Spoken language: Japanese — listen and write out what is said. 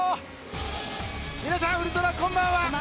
皆さん、ウルトラこんばんは！